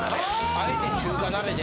あえて中華鍋で。